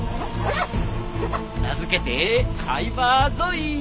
名付けてサイバーゾイ！